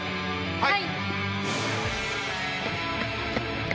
はい！